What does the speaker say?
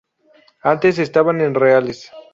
Antes estaban en reales.